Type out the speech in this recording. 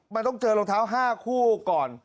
มันต้องเจอรองเท้า๕คู่ก่อน